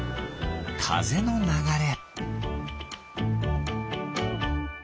かぜのながれ。